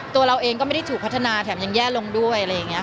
เราเองก็ไม่ได้ถูกพัฒนาแถมยังแย่ลงด้วยอะไรอย่างนี้ค่ะ